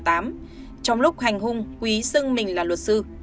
trong lúc hành hung quý xưng mình là luật sư